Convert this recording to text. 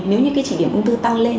nếu như cái chỉ điểm ung thư tăng lên